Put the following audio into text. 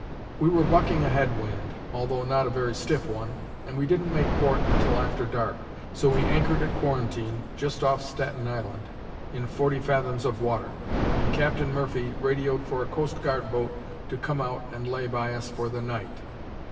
"We were bucking a head wind, although not a very stiff one, and we didn't make port until after dark, so we anchored at quarantine, just off Staten Island, in forty fathoms of water, and Captain Murphy radioed for a Coast Guard boat to come out and lay by us for the night.